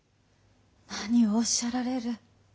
何をおっしゃられる。